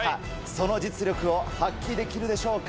その実力を発揮できるでしょうか